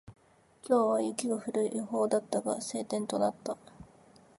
今日は雪が降る予報だったが、晴天となった。